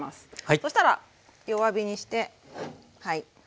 そしたら弱火にしてはい。